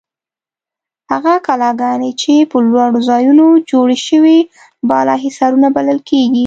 هغه کلاګانې چې په لوړو ځایونو جوړې شوې بالاحصارونه بلل کیږي.